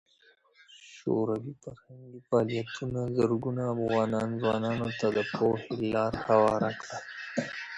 شوروي فرهنګي فعالیتونه زرګونو افغان ځوانانو ته د پوهې لار هواره کړه.